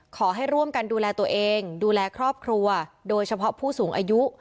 ขอให้ร่วมกันดูแลตัวเองดูแลครอบครัวโดยเฉพาะผู้สูงอายุ